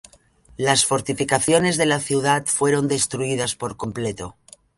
Las fortificaciones de la ciudad fueron destruidas por completo.